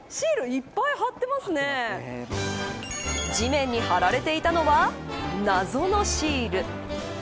地面に貼られていたのは謎のシール。